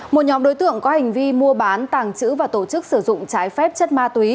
một nhóm đối tượng có hành vi mua bán tàng trữ và tổ chức sử dụng trái phép chất ma túy